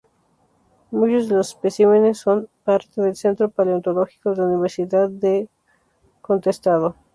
Muchos de los especímenes son parte del "Centro Paleontológico" de la Universidade do Contestado.